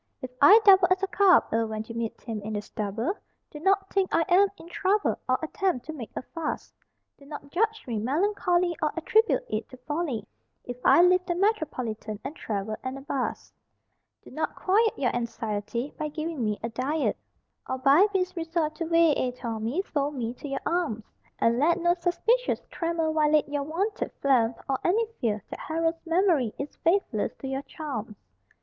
If I double as a cub'll when you meet him in the stubble, Do not think I am in trouble or at tempt to make a fuss ; Do not judge me melancholy or at tribute it to folly If I leave the Metropolitan and travel 'n a bus Do not quiet your anxiety by giving me a diet, Or by base resort to vi et armis fold me to your arms, And let no suspicious tremor violate your wonted phlegm or Any fear that Harold's memory is faithless to your charms.